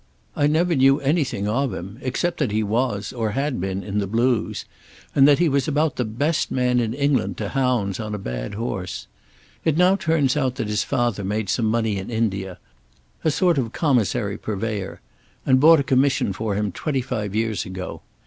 I never knew anything of him except that he was, or had been, in the Blues, and that he was about the best man in England to hounds on a bad horse. It now turns out that his father made some money in India, a sort of Commissary purveyor, and bought a commission for him twenty five years ago.